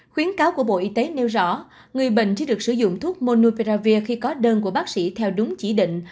khuyến cáo của bộ y tế nêu rõ người bệnh chỉ được sử dụng thuốc monupravir khi có đơn của bác sĩ theo đúng chỉ định